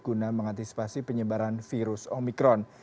guna mengantisipasi penyebaran virus omikron